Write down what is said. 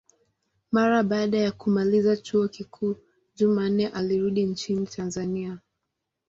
Mara baada ya kumaliza chuo kikuu, Jumanne alirudi nchini Tanzania.